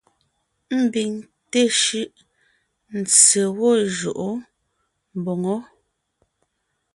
Ḿbiŋ teshúʼ, ntse gwɔ́ jʉʼó mboŋó.